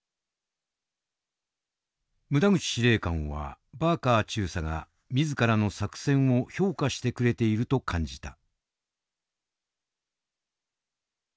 牟田口司令官はバーカー中佐が自らの作戦を評価してくれていると感じた。